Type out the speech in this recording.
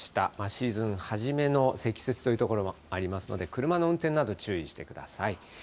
シーズン初めの積雪という所もありますので、車の運転など注意してください。